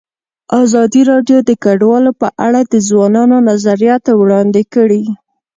ازادي راډیو د کډوال په اړه د ځوانانو نظریات وړاندې کړي.